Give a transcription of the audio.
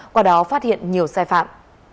qua đó phát hiện nhiều sai phạm